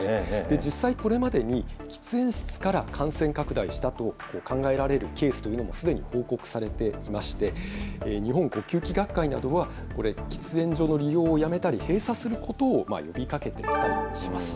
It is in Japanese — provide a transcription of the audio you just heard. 実際、これまでに喫煙室から感染拡大したと考えられるケースというのもすでに報告されていまして、日本呼吸器学会などは、喫煙所の利用をやめたり、閉鎖することを呼びかけていたりします。